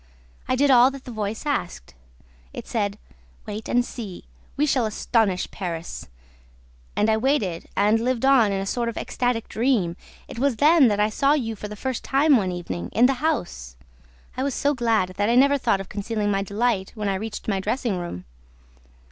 I did all that the voice asked. It said, 'Wait and see: we shall astonish Paris!' And I waited and lived on in a sort of ecstatic dream. It was then that I saw you for the first time one evening, in the house. I was so glad that I never thought of concealing my delight when I reached my dressing room.